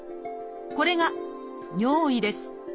これが尿意です。